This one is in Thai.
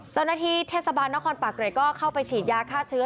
เจ้าหน้าที่เทศบาลนครปากเกร็ดก็เข้าไปฉีดยาฆ่าเชื้อ